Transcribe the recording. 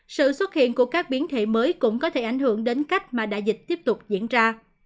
sự xuất hiện của các biến thể mới cũng có thể ảnh hưởng đến cách mà đại dịch tiếp tục diễn ra